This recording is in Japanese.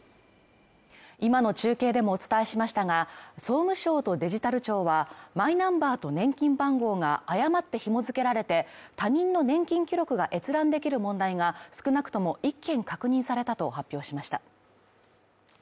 今の中継でもお伝えしましたが、総務省とデジタル庁はマイナンバーと年金番号が誤って紐づけられて他人の年金記録が閲覧できる問題が少なくとも１件確認されたと発表しました。